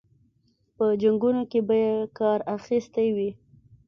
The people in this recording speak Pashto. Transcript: په جنګونو کې به یې کار اخیستی وي.